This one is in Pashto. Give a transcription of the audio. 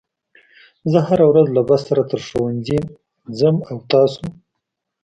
زه هره ورځ له بس سره تر ښوونځي ځم او تاسو